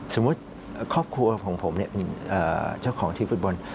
สมมุติครอบครัวของผมเจ้าของทีมฟุตบอล